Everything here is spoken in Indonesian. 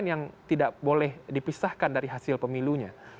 nah ini rangkaian yang tidak boleh dipisahkan dari hasil pemilunya